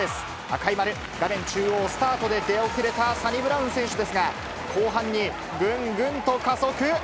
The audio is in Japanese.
赤い丸、画面中央、スタートで出遅れたサニブラウン選手ですが、後半にぐんぐんと加速。